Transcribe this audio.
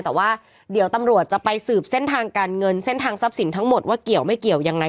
แต่ว่าเดี๋ยวตำรวจจะไปสืบเส้นทางการเงินเส้นทางทรัพย์สินทั้งหมดว่าเกี่ยวไม่เกี่ยวยังไง